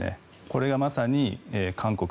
これがまさに韓国